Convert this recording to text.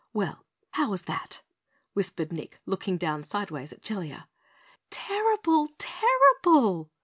"Well, how was that?" whispered Nick, looking down sideways at Jellia. "Terrible! Terrible!"